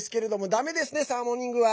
だめですね、サーモニングは。